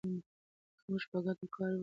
که موږ په ګډه کار وکړو، هېواد به جوړ شي.